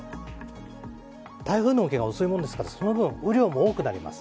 台風の動きが遅いものですからその分、雨量も多くなります。